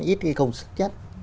ít cái công sức nhất